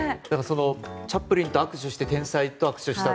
チャップリンと握手して天才と握手した。